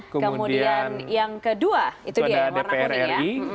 kemudian yang kedua itu dia yang warna kuning ya